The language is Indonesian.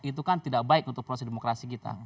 itu kan tidak baik untuk proses demokrasi kita